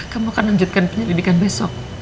kamu akan lanjutkan penyelidikan besok